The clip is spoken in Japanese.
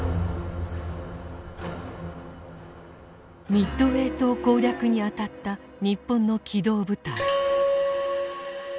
ミッドウェー島攻略にあたった日本の機動部隊。